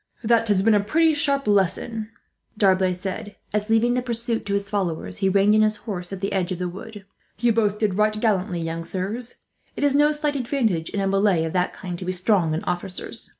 "That has been a pretty sharp lesson," D'Arblay said as, leaving the pursuit to his followers, he reined in his horse at the edge of the wood. "You both did right gallantly, young sirs. It is no slight advantage, in a melee of that kind, to be strong in officers.